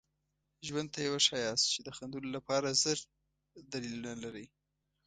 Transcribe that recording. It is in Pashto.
ژوند ته یې وښایاست چې د خندلو لپاره زر دلیلونه لرئ.